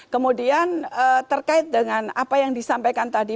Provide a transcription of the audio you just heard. kemudian terkait dengan apa yang disampaikan tadi